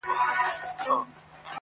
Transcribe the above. • ستا د غېږي یو ارمان مي را پوره کړه..